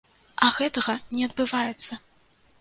А гэтага не адбываецца.